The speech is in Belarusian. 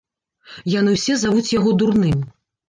Яны ўсе завуць яго дурным.